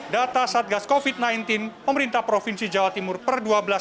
data satgas covid sembilan belas pemerintah provinsi jawa timur menunjukkan